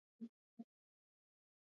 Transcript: اوړي د افغان ځوانانو د هیلو استازیتوب کوي.